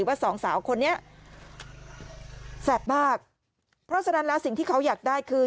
ว่าสองสาวคนนี้แสบมากเพราะฉะนั้นแล้วสิ่งที่เขาอยากได้คือ